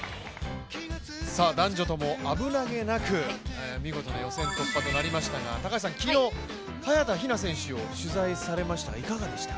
男女とも危なげなく見事な予選突破となりましたが昨日、早田ひな選手を取材されました、いかがでした？